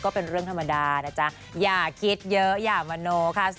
ก็เป็นเรื่องธรรมดานะจ๊ะอย่าคิดเยอะอย่ามโนค่ะ